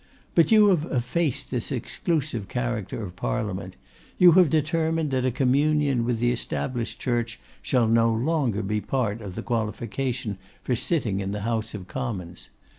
But you have effaced this exclusive character of Parliament; you have determined that a communion with the Established Church shall no longer be part of the qualification for sitting in the House of Commons.